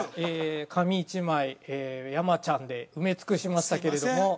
紙１枚「山ちゃん」で埋め尽くしましたけれども。